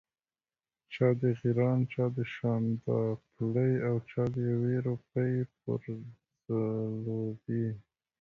چا د غیراڼ، چا د شانداپولي او چا د یوې روپۍ پر ځلوبۍ.